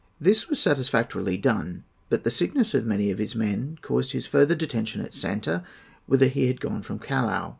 This was satisfactorily done; but the sickness of many of his men caused his further detention at Santa, whither he had gone from Callao.